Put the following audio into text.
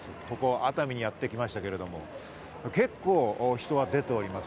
熱海にやってきましたが、結構人は出ています。